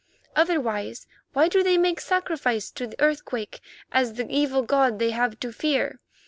Otherwise, why do they make sacrifice to Earthquake as the evil god they have to fear?